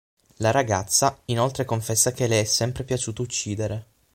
La ragazza, inoltre confessa che le è sempre piaciuto uccidere.